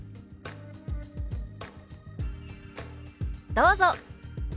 どうぞ！